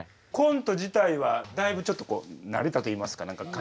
コント自体はだいぶちょっとこう慣れたといいますか何か。